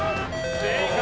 正解！